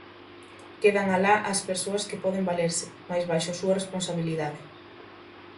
Quedan alá as persoas que poden valerse, mais baixo a súa responsabilidade.